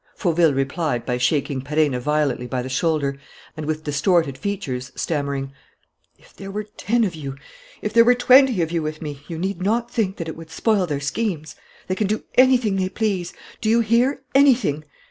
Fauville replied by shaking Perenna violently by the shoulder, and, with distorted features, stammering: "If there were ten of you if there were twenty of you with me, you need not think that it would spoil their schemes! They can do anything they please, do you hear, anything!